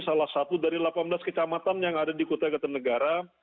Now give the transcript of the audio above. salah satu dari delapan belas kecamatan yang ada di kota gateng negara